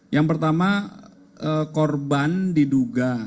yang pertama korban diduga